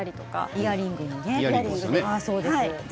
イヤリングにね。